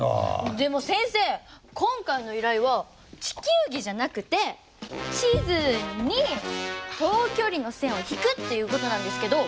でも先生今回の依頼は地球儀じゃなくて地図に等距離の線を引くっていうことなんですけど？